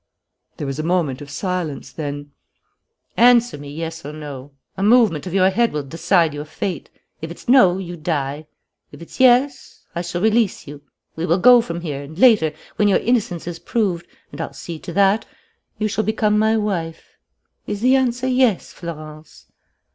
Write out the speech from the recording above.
There was a moment of silence, then: "Answer me yes or no. A movement of your head will decide your fate. If it's no, you die. If it's yes, I shall release you. We will go from here and, later, when your innocence is proved and I'll see to that you shall become my wife. Is the answer yes, Florence?"